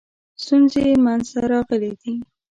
ستونزې منځته راغلي دي.